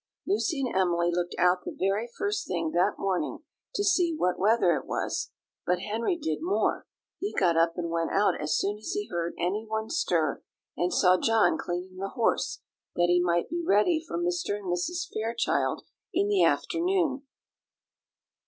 Lucy and Emily looked out the very first thing that morning to see what weather it was; but Henry did more, he got up and went out as soon as he heard anyone stir, and saw John cleaning the horse, that he might be ready for Mr. and Mrs. Fairchild in the afternoon.